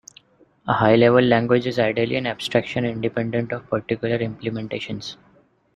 A high level language is ideally an abstraction independent of particular implementations.